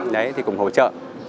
đấy thì cũng hỗ trợ